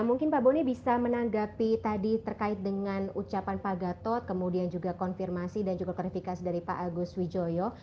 mungkin pak boni bisa menanggapi tadi terkait dengan ucapan pak gatot kemudian juga konfirmasi dan juga klarifikasi dari pak agus wijoyo